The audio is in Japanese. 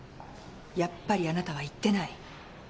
やっぱりあなたは行ってない。